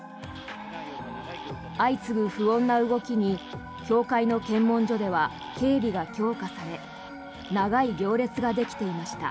相次ぐ不穏な動きに境界の検問所では警備が強化され長い行列ができていました。